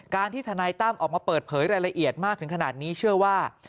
ที่ทนายตั้มออกมาเปิดเผยรายละเอียดมากถึงขนาดนี้เชื่อว่า